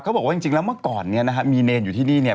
เขาบอกว่าจริงแล้วเมื่อก่อนเนี่ยนะฮะมีเนรอยู่ที่นี่เนี่ย